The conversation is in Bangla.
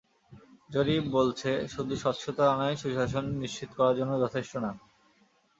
জরিপ বলছে, শুধু স্বচ্ছতা আনাই সুশাসন নিশ্চিত করার জন্য যথেষ্ট না।